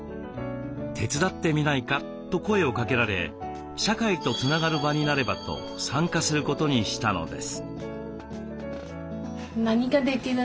「手伝ってみないか」と声をかけられ社会とつながる場になればと参加することにしたのです。